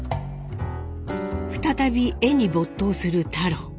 再び絵に没頭する太郎。